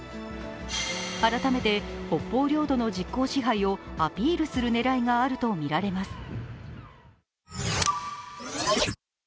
改めて北方領土の実効支配をアピールする狙いがあるとみられます。